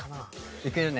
いけるよね？